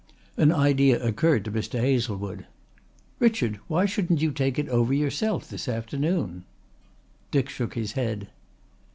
An idea occurred to Mr. Hazlewood. "Richard, why shouldn't you take it over yourself this afternoon?" Dick shook his head.